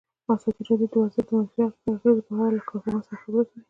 ازادي راډیو د ورزش د منفي اغېزو په اړه له کارپوهانو سره خبرې کړي.